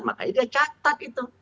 makanya dia catat itu